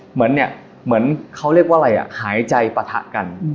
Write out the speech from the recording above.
เหมือนเนี่ยเหมือนเขาเรียกว่าอะไรอ่ะหายใจปะทะกัน